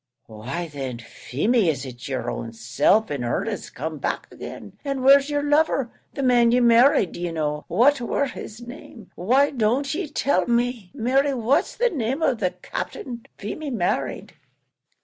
"Why thin, Feemy, is it yer own self in arnest come back again? And where's yer lover? the man ye married, ye know what war his name? why don't ye tell me? Mary, what's the name of the Captain Feemy married?"